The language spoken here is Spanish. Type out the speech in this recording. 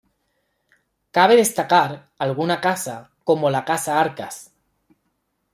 Cabe destacar alguna casa como la "Casa Arcas".